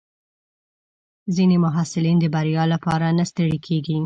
ځینې محصلین د بریا لپاره نه ستړي کېږي.